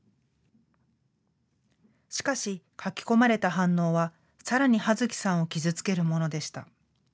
しかし書き込まれた反応はさらにはずきさんを傷つけるものでした。